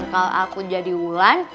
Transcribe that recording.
kalau aku jadi wulan